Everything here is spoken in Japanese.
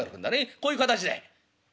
こういう形だい」。